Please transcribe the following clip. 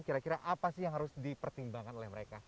kira kira apa sih yang harus dipertimbangkan oleh mereka